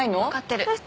わかってる。